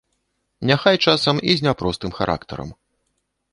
Няхай часам і з няпростым характарам.